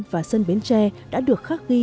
và dân bến tre đã được khắc ghi